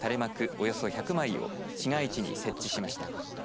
およそ１００枚を市街地に設置しました。